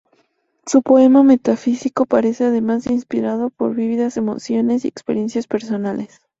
Su poema metafísico parece además inspirado por vívidas emociones y experiencias personales.